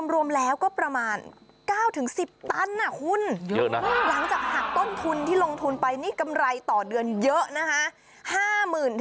รวมแล้วก็ประมาณ๙๑๐ตันคุณเยอะนะหลังจากหักต้นทุนที่ลงทุนไปนี่กำไรต่อเดือนเยอะนะคะ